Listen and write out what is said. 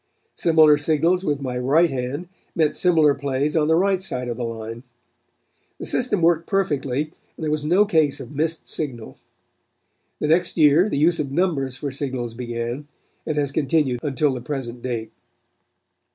Similar signals with my right hand meant similar plays on the right side of the line. The system worked perfectly and there was no case of missed signal. The next year the use of numbers for signals began, and has continued until the present date.